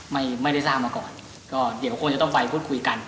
ไม่ได้ทราบมาก่อนก็เดี๋ยวคงจะต้องไปพูดคุยกัน